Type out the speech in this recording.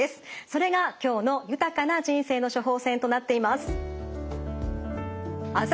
それが今日の「豊かな人生の処方せん」となっています。